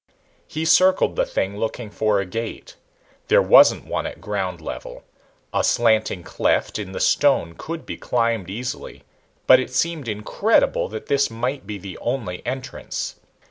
He circled the thing, looking for a gate. There wasn't one at ground level. A slanting cleft in the stone could be climbed easily, but it seemed incredible that this might be the only entrance.